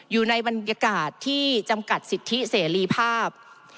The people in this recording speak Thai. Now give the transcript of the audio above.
อยู่ในบรรยากาศที่จำกัดสิทธิเสรีภาพ